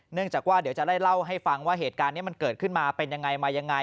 จากว่าเดี๋ยวจะไล่เล่าให้ฟังว่าเหตุการณ์นี้มันเกิดขึ้นมาเป็นยังไงมายังไง